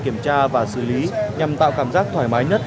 kiểm tra và xử lý nhằm tạo cảm giác thoải mái nhất